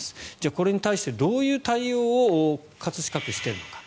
これに対してどういう対応を葛飾区はしているのか。